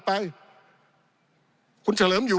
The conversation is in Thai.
ปี๑เกณฑ์ทหารแสน๒